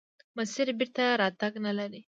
مسیر بېرته راتګ نلري.